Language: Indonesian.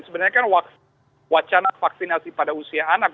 sebenarnya kan wacana vaksinasi pada usia anak